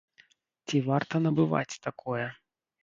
Ці варта набываць такое?